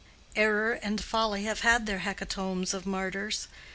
Error and folly have had their hecatombs of martyrs.